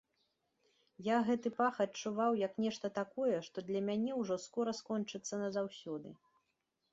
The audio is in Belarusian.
Я гэты пах адчуваў, як нешта такое, што для мяне ўжо скора скончыцца назаўсёды.